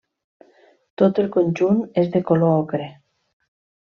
Tot el conjunt és de color ocre.